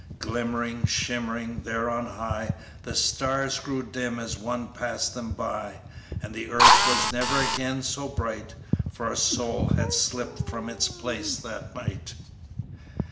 Glimmering, shimmering, there on high, The stars grew dim as one passed them by; And the earth was never again so bright, For a soul had slipped from its place that night."